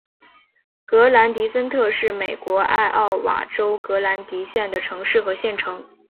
格兰迪森特是美国艾奥瓦州格兰迪县的城市和县城。